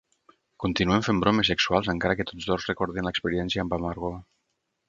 Continuen fent bromes sexuals encara que tots dos recordin l'experiència amb amargor.